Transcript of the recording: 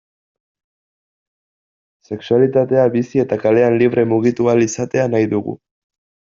Sexualitatea bizi eta kalean libre mugitu ahal izatea nahi dugu.